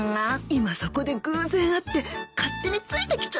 今そこで偶然会って勝手についてきちゃったんだよ。